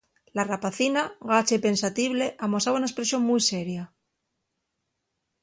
La rapacina, gacha y pensatible, amosaba una espresión mui seria.